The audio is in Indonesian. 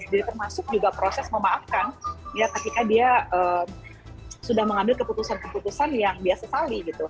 jadi termasuk juga proses memaafkan ketika dia sudah mengambil keputusan keputusan yang dia sesali